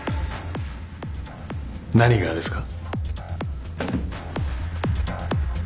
何がですか？